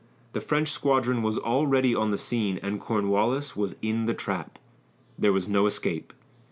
The French squadron was already on the scene, and Cornwallis was in the trap. There was no escape.